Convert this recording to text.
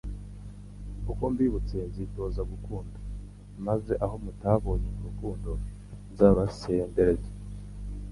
Uko mbibutse nzitoza gukunda maze aho mutabonye urukundo nzaruhasendereze!